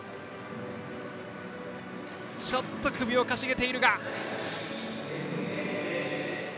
ちょっと首をかしげているが。